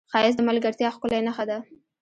ښایست د ملګرتیا ښکلې نښه ده